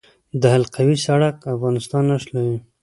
د حلقوي سړک افغانستان نښلوي